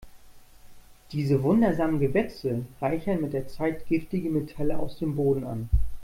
Diese wundersamen Gewächse reichern mit der Zeit giftige Metalle aus dem Boden an.